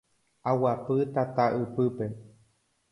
Aguapy tata ypýpe